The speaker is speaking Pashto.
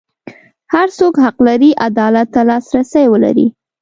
هر څوک حق لري عدالت ته لاسرسی ولري.